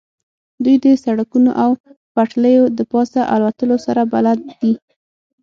دوی د سړکونو او پټلیو د پاسه الوتلو سره بلد دي